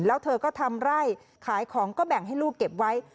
แล้วเธอก็ทำไร่ขายของก็แบ่งให้ลูกเก็บไว้